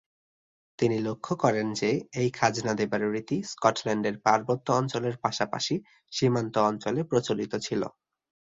তিনি লক্ষ্য করেন যে এই খাজনা দেবার রীতি স্কটল্যান্ডের পার্বত্য অঞ্চলের পাশাপাশি সীমান্ত অঞ্চলে প্রচলিত ছিল।